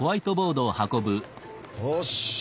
よし。